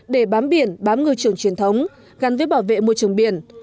để bám biển bám ngư trường truyền thống gắn với bảo vệ môi trường biển